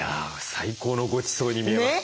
最高のごちそうに見えます。